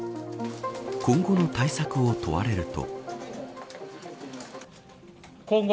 今後の対策を問われると。